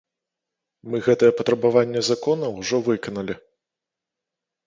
Мы гэтае патрабаванне закона ўжо выканалі.